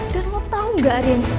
dan lo tau gak rin